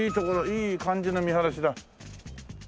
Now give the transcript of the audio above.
いい感じの見晴らしだ。